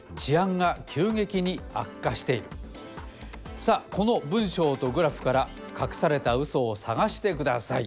さあこの文章とグラフからかくされたウソを探してください。